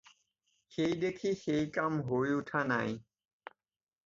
সেইদেখি সেই কাম হৈ উঠা নাই।